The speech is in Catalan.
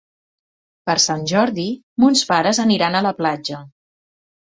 Per Sant Jordi mons pares aniran a la platja.